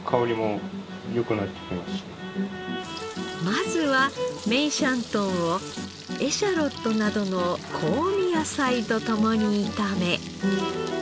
まずは梅山豚をエシャロットなどの香味野菜と共に炒め。